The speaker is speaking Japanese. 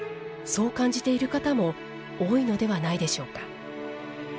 そう感じている方も多いのではないでしょうか。